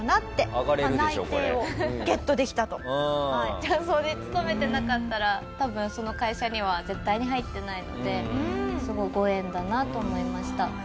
雀荘に勤めてなかったら多分その会社には絶対に入ってないのですごいご縁だなと思いました。